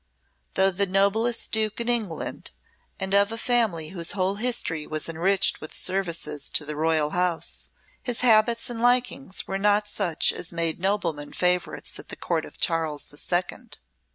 Though the noblest Duke in England, and of a family whose whole history was enriched with services to the royal house, his habits and likings were not such as made noblemen favourites at the court of Charles the Second.